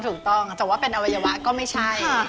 ถูกต้องแต่ว่าเป็นอวัยวะก็ไม่ใช่